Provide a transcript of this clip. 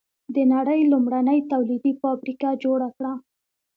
د نړۍ لومړنۍ تولیدي فابریکه جوړه کړه.